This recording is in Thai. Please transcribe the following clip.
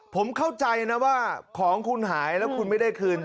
ผมเข้าใจนะว่าของคุณหายแล้วคุณไม่ได้คืน